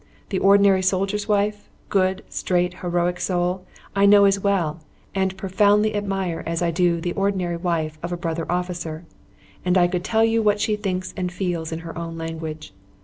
The ordinary soldier's wife, good, straight, heroic soul, I know as well and and profoundly admire as I do the ordinary wife of a brother officer, and I could tell you what she thinks and feels in her own language.